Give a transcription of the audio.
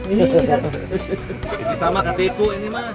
ini sama ketipu ini ma